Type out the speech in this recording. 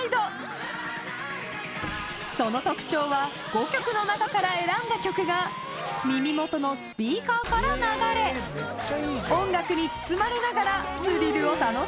［その特徴は５曲の中から選んだ曲が耳元のスピーカーから流れ音楽に包まれながら］